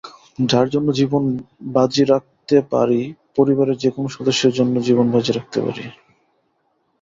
যার জন্য জীবন বাজি রাখতে পারিপরিবারের যেকোনো সদস্যের জন্য জীবন বাজি রাখতে পারি।